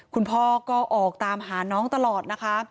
คุณพ่อก็ออกตามหาน้องตลอดนะคะ